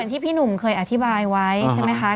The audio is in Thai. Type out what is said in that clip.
ที่พี่หนุ่มเคยอธิบายไว้ว่า